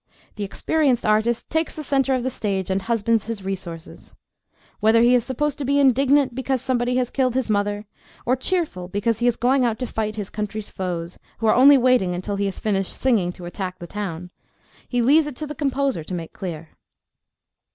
The experienced artist takes the centre of the stage and husbands his resources. Whether he is supposed to be indignant because somebody has killed his mother, or cheerful because he is going out to fight his country's foes, who are only waiting until he has finished singing to attack the town, he leaves it to the composer to make clear.